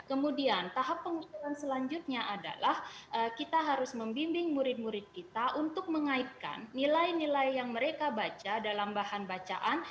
kemudian tahap pengusuran selanjutnya adalah kita harus membimbing murid murid kita untuk mengaitkan nilai nilai yang mereka baca dalam bahan bacaan